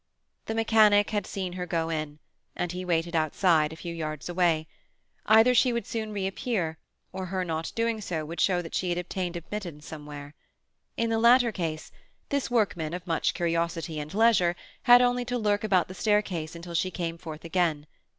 The mechanic had seen her go in, and he waited outside, a few yards away. Either she would soon reappear, or her not doing so would show that she had obtained admittance somewhere. In the latter case, this workman of much curiosity and leisure had only to lurk about the staircase until she came forth again.